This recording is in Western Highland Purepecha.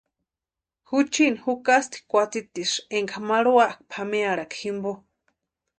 Juchini jukasti kwatsitisïnka énka marhuakʼa pʼamearhakwa jimpo.